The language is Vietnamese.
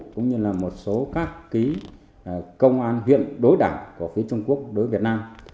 cũng như là một số các công an huyện đối đảng của phía trung quốc đối với việt nam